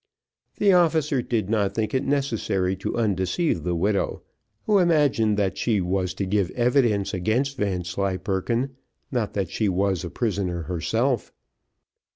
The officer did not think it necessary to undeceive the widow, who imagined that she was to give evidence against Vanslyperken, not that she was a prisoner herself.